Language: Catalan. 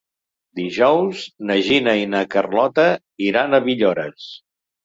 Dijous na Gina i na Carlota iran a Villores.